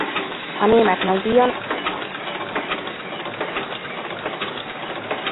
A Német Nagydíjon egy botrányos közjáték rontotta a csapat megítélését.